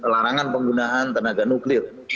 larangan penggunaan tenaga nuklir